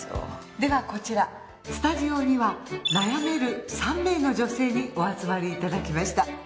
ではこちらスタジオには悩める３名の女性にお集まりいただきました。